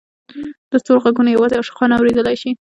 د ستورو ږغونه یوازې عاشقان اورېدلای شي.